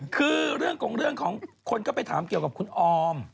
คือเรื่องของเรื่องของคนก็ไปถามเกี่ยวกับคุณออม